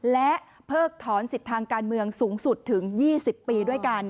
และเพิกถอนสิทธิ์ทางการเมืองสูงสุดถึง๒๐ปีด้วยกัน